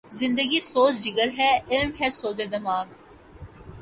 زندگی سوز جگر ہے ،علم ہے سوز دماغ